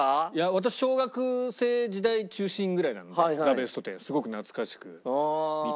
私小学生時代中心ぐらいなので『ザ・ベストテン』すごく懐かしく見て。